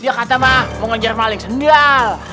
dia kata mah mau ngejar maling sendiri